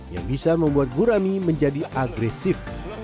yang bisa membuat gurami menjadi agresif